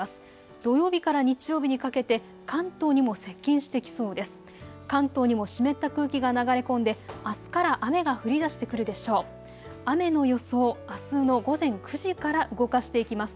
土曜日から日曜日にかけて関東にも接近してきそうです。